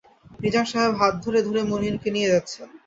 নিজাম সাহেব হাত ধরে- ধরে মুনিরকে নিয়ে যাচ্ছেন।